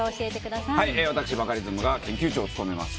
私、バカリズムが研究長を務めます